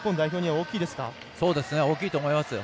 大きいと思います。